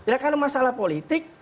ya karena masalah politik